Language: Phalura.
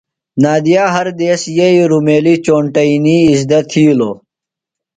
نادیہ ہر دیس یھئی رُمیلیۡ چونٹئینی اِزدہ تھیلوۡ۔